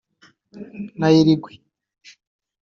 na Uruguay